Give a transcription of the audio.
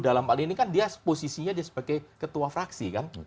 dalam hal ini kan dia posisinya dia sebagai ketua fraksi kan